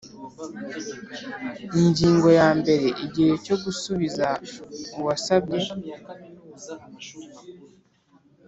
Ingingo ya mbere Igihe cyo gusubiza uwasabye